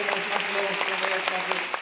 よろしくお願いします。